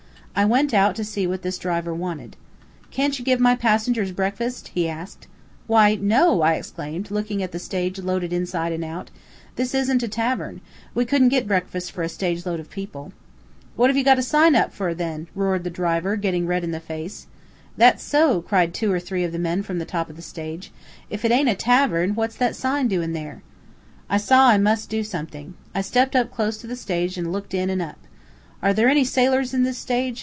I went out to see what this driver wanted. "Can't you give my passengers breakfast?" he asked. "Why, no!" I exclaimed, looking at the stage loaded inside and out. "This isn't a tavern. We couldn't get breakfast for a stage load of people." "What have you got a sign up fur, then?" roared the driver, getting red in the face. "That's so," cried two or three men from the top of the stage. "If it aint a tavern, what's that sign doin' there?" I saw I must do something. I stepped up close to the stage and looked in and up. "Are there any sailors in this stage?"